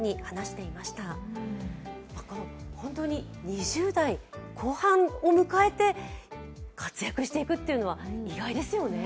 ２０代後半を迎えて活躍していくというのは意外ですよね。